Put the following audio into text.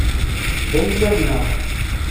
D ayla-nneɣ.